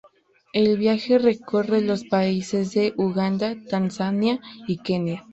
El viaje recorre los países de Uganda, Tanzania y Kenia.